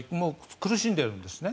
苦しんでいるんですね。